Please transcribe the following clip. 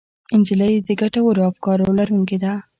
نجلۍ د ګټورو افکارو لرونکې ده.